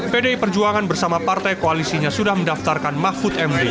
pdi perjuangan bersama partai koalisinya sudah mendaftarkan mahfud md